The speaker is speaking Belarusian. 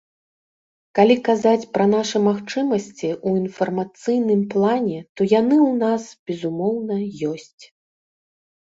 Калі казаць пра нашы магчымасці ў інфармацыйным плане, то яны ў нас, безумоўна, ёсць.